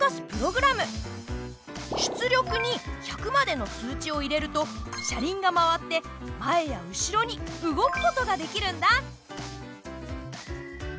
出力に１００までの数値を入れると車輪が回って前や後ろに動くことができるんだ。